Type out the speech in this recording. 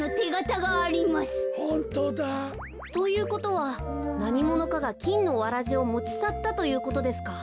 ホントだ。ということはなにものかがきんのわらじをもちさったということですか？